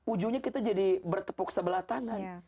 ujungnya kita jadi bertepuk sebelah tangan